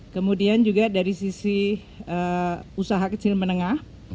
kemudian juga dari sisi usaha kecil menengah